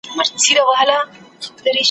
ده ويــــله سخــت خـــــو قهر د يــــزدان دئ